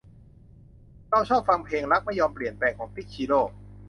เราชอบฟังเพลง รักไม่ยอมเปลี่ยนแปลง ของติ๊ก ชิโร่